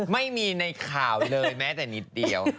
ไม่มีในข่าวเลยแม้แต่นิดเดียว